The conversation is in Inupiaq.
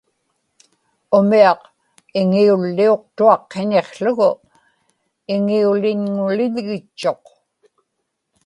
umiaq iŋiulliuqtuaq qiñiqługu iŋiulinŋuliḷgitchuq